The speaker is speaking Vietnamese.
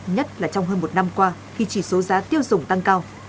nhất là trong hơn một năm qua khi chỉ số giá tiêu dùng tăng cao